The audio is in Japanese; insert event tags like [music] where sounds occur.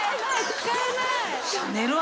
使えない [laughs]